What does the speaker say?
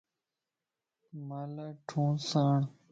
مان لاڻھونس آڻ